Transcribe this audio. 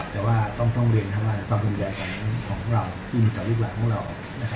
แต่ว่าต้องเรียนทั้งว่าในความภรรยาการของเราที่มีตัวลูกหลักของเรา